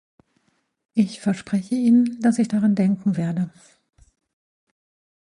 Ich verspreche Ihnen, dass ich daran denken werde.